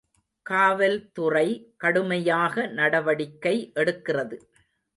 காவல் துறை கடுமையாக நடவடிக்கை எடுக்கிறது.